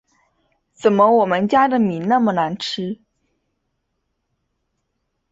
怎么我们家的米那么难吃